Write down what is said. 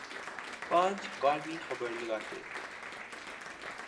پانچ کالمی خبر لگاتے۔